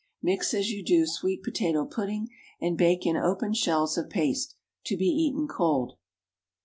Mix as you do sweet potato pudding, and bake in open shells of paste. To be eaten cold.